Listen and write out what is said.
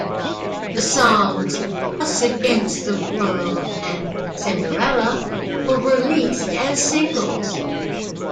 The songs "Us Against the World" and "Cinderella" were released as singles.